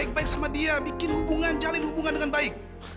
baik baik sama dia bikin hubungan jalin hubungan dengan baik